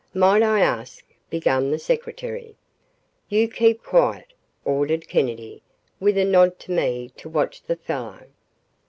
"Might I ask " began the secretary. "You keep quiet," ordered Kennedy, with a nod to me to watch the fellow.